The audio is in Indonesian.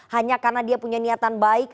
hanya karena dia punya niatan baik